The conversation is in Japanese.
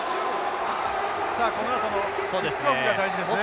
さあこのあとのキックオフが大事ですね。